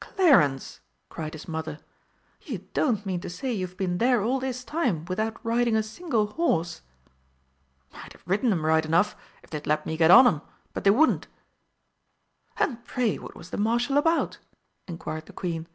"Clarence!" cried his mother, "you don't mean to say you've been there all this time without riding a single horse!" "I'd have ridden 'em right enough, if they'd let me get on 'em but they wouldn't." "And pray what was the Marshal about?" inquired the Queen.